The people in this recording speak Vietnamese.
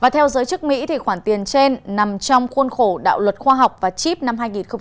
theo giới chức mỹ khoản tiền trên nằm trong khuôn khổ đạo luật khoa học và chip năm hai nghìn một mươi năm